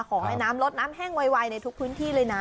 ขอให้น้ำลดน้ำแห้งไวในทุกพื้นที่เลยนะ